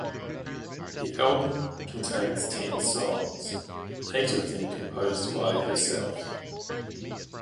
The album contains ten songs, eight of them composed by herself.